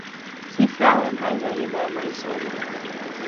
Syn frou en hy wenje dêr mei in soad nocht.